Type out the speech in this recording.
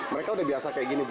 mereka udah biasa kayak gini bu